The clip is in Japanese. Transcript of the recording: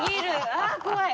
ああ怖い！